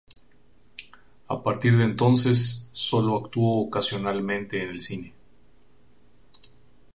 A partir de entonces solo actuó ocasionalmente en el cine.